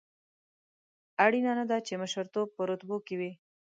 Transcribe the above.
اړینه نه ده چې مشرتوب په رتبو کې وي.